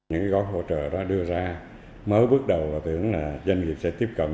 những gói hỗ trợ đó đưa ra mới bước đầu là tưởng là doanh nghiệp sẽ tiếp cận